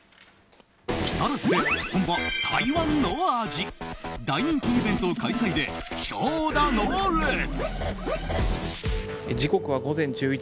木更津で本場・台湾の味大人気イベント開催で長蛇の列。